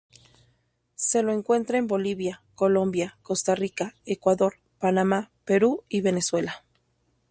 Se lo encuentra en Bolivia, Colombia, Costa Rica, Ecuador, Panamá, Perú, y Venezuela.